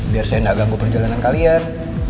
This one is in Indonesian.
biar saya nggak ganggu perjalanan kalian